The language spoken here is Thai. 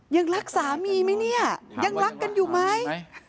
ยังรักสามีไหมเนี่ยยังรักกันอยู่ไหม